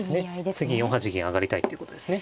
次４八銀上がりたいっていうことですね。